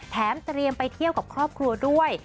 แถมเตรียมไปเที่ยวกับครอบครัวด้วย